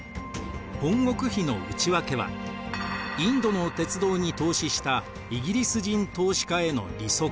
本国費の内訳はインドの鉄道に投資したイギリス人投資家への利息